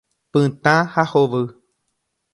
Pytã ha hovy.